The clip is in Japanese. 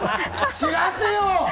ちらせよ！